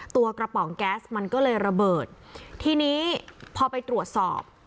กระป๋องแก๊สมันก็เลยระเบิดทีนี้พอไปตรวจสอบ